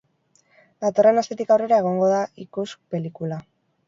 Datorren astetik aurrera egongo da ikusg pelikula.